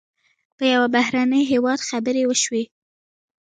په یو بهرني هېواد خبرې وشوې.